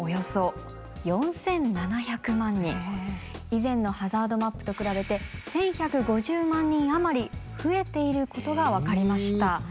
以前のハザードマップと比べて１，１５０万人余り増えていることが分かりました。